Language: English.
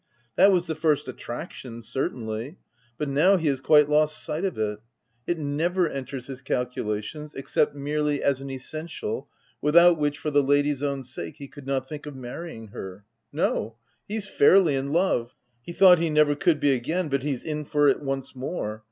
That was the first attraction, certainly ; but now, he has quite lost sight of it : it never enters his calculations, except merely as an essential without which, for the lrdy's own sake, he could not think of marrying her ; No ; he's fairly in love. He thought he never could be again, but he's in for it once more.